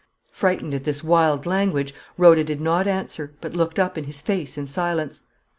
Frightened at this wild language, Rhoda did not answer, but looked up in his face in silence.